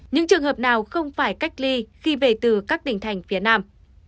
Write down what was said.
những trường hợp nào không phải cách ly khi về từ các tỉnh thành phía nam